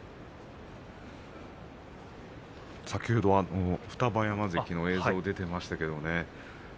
先ほどは双葉山関の映像が出ていましたけどね